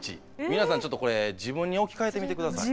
皆さんちょっとこれ自分に置き換えてみて下さい。